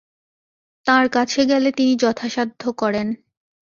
তাঁর কাছে গেলে তিনি যথাসাধ্য করেন।